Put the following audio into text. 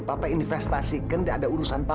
papa investasikan gak ada urusan papa